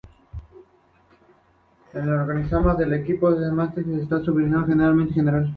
En el organigrama de un equipo, el mánager está subordinado al gerente general.